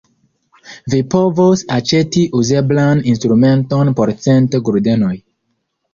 Vi povos aĉeti uzeblan instrumenton por cent guldenoj.